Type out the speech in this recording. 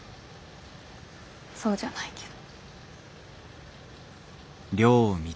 そうじゃないけど。